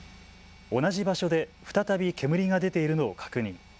同じ場所で再び煙が出ているのを確認。